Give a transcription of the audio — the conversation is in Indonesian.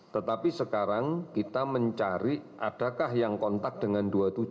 tetapi sekarang kita mencari adakah yang kontak dengan dua puluh tujuh